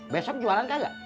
besok jualan kagak